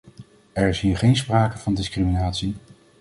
Er is hier geen sprake van discriminatie.